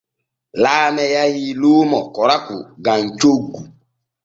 Laame yahii luumo koraku gam coggu.